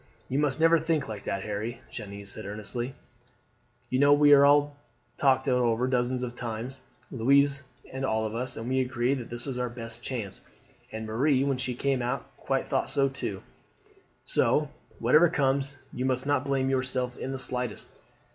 "You must never think that, Harry," Jeanne said earnestly. "You know we all talked it over dozens of times, Louise and all of us, and we agreed that this was our best chance, and Marie when she came out quite thought so too. So, whatever comes, you must not blame yourself in the slightest.